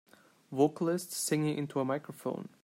Vocalist singing into a microphone.